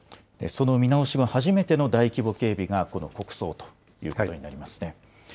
その見直し後初めての大規模警備が、この国葬ということになりますね。